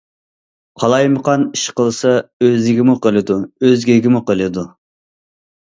قالايمىقان ئىش قىلسا ئۆزىگىمۇ قىلىدۇ، ئۆزگىگىمۇ قىلىدۇ.